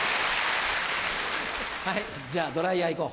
はいじゃあドライヤーいこう。